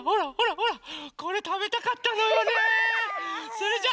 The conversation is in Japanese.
それじゃ。